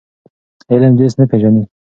علم جنس نه پېژني.